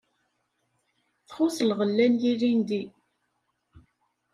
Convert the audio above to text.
Txuṣṣ lɣella n yilindi.